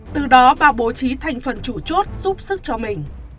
từ đó bà bố trí thành phần chủ chốt giúp sức cho mình